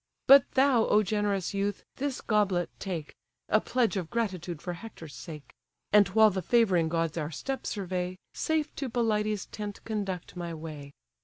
But thou, O generous youth! this goblet take, A pledge of gratitude for Hector's sake; And while the favouring gods our steps survey, Safe to Pelides' tent conduct my way."